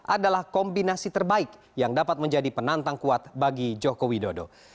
adalah kombinasi terbaik yang dapat menjadi penantang kuat bagi jokowi dodo